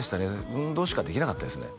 運動しかできなかったですね